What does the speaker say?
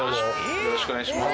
よろしくお願いします